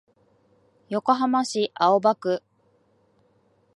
横浜市青葉区